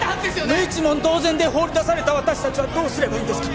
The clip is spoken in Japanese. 無一文同然で放り出された私達はどうすればいいんですか！？